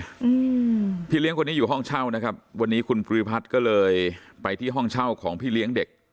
อืมพี่เลี้ยงคนนี้อยู่ห้องเช่านะครับวันนี้คุณภูริพัฒน์ก็เลยไปที่ห้องเช่าของพี่เลี้ยงเด็ก